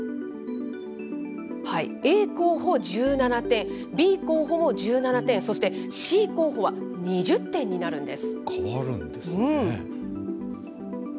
Ａ候補１７点、Ｂ候補も１７点、そしてＣ候補は２０点になるんです。